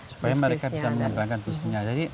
supaya mereka bisa mengembangkan bisnisnya